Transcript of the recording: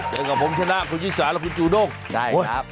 เจอกับผมชนะคุณชิสาและคุณจูด้งได้ครับ